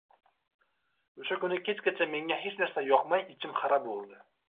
O‘sha kuni kechgacha menga hech narsa yoqmay, ichim xira bo‘ldi